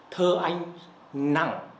thơ anh nặng